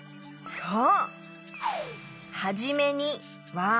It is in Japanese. そう！